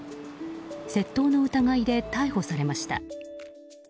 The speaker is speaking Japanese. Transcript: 窃盗の疑いで逮捕されました。